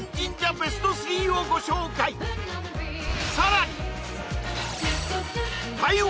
ベスト３をご紹介開運